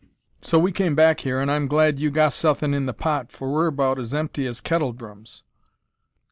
So we came back here, an' I'm glad you've got suthin' in the pot, for we're about as empty as kettledrums."